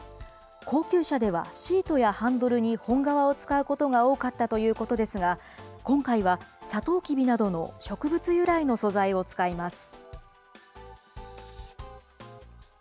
高級車ではシートやハンドルに本革を使うことが多かったということですが、今回はサトウキビなどの植物由来の素材を使います。